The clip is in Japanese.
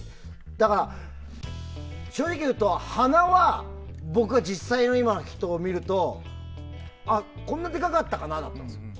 だから、正直に言うと鼻は僕は、実際の今の人を見るとこんなにでかかったかなと。